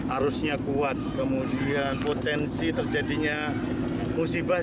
arusnya kuat kemudian potensi terjadinya musibah